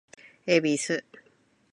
恵比寿